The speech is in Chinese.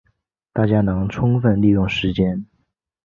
大家能充分利用时间